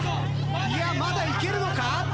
いやまだいけるのか？